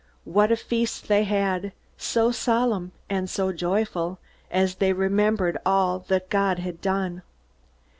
What a feast they had, so solemn and so joyful, as they remembered all that God had done!